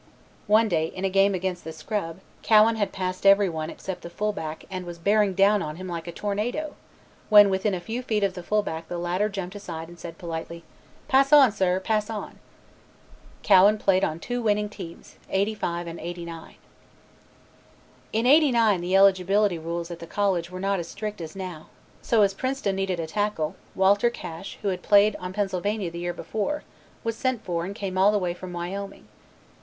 One day in a game against the Scrub, Cowan had passed everyone except the fullback and was bearing down on him like a tornado, when within a few feet of the fullback the latter jumped aside and said politely, "Pass on, sir, pass on." Cowan played on two winning teams, '85 and '89. In '89 the eligibility rules at the college were not as strict as now, so as Princeton needed a tackle, Walter Cash who had played on Pennsylvania the year before, was sent for and came all the way from Wyoming.